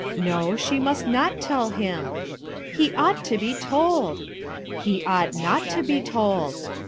"No, she must ml tell him!" "He ought to be told I" "Ho ought nnt to be told